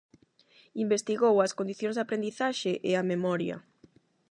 Investigou as condicións de aprendizaxe e a memoria.